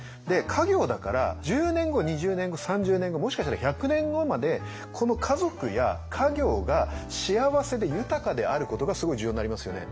家業だから１０年後２０年後３０年後もしかしたら１００年後までこの家族や家業が幸せで豊かであることがすごい重要になりますよね。